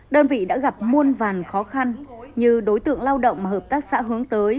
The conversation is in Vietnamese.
đơn vị đã gặp muôn vàn khó khăn như đối tượng lao động mà hợp tác xã hướng tới